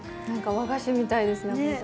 なんか和菓子みたいですね